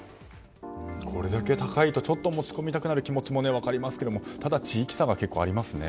これだけ高いと持ち込みたくなる気持ちも分かりますけどもただ、地域差がありますね。